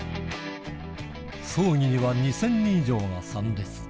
葬儀には２０００人以上が参列。